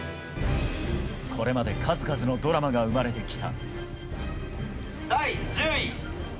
これまで数々のドラマが生まれてきた。